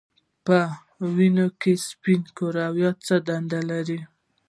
په وینه کې سپین کرویات څه دنده لري